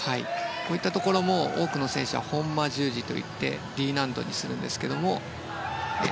こういったところも多くの選手はホンマ十字といってＤ難度にするんですけども。